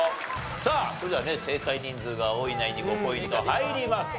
さあそれではね正解人数が多いナインに５ポイント入ります。